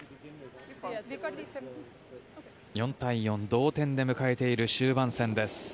４対４同点で迎えている終盤戦です。